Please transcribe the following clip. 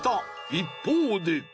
一方で。